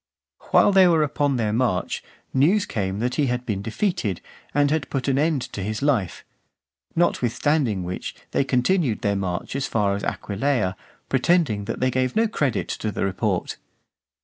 While they were upon their march, news came that he had been defeated, and had put an end to his life; notwithstanding which they continued their march as far as Aquileia, pretending that they gave no credit to the report.